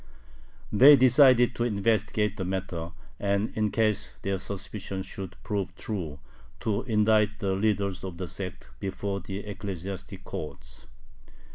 They decided to investigate the matter, and, in case their suspicion should prove true, to indict the leaders of the sect before the ecclesiastic courts.